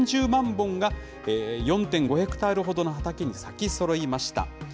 本が４．５ヘクタールほどの畑に咲きそろいました。